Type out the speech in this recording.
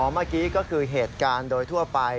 เมื่อกี้ก็คือเหตุการณ์โดยทั่วไป